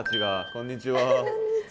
こんにちは。